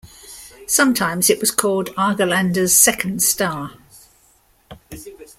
Sometimes it was called "Argelander's second star".